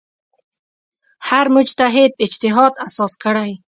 هر مجتهد اجتهاد اساس کړی.